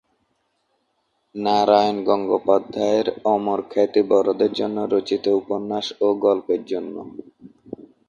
নারায়ণ গঙ্গোপাধ্যায়ের অমর খ্যাতি বড়দের জন্য রচিত উপন্যাস ও গল্পের জন্য।